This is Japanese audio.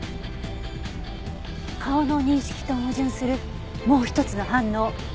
顔の認識と矛盾するもう一つの反応。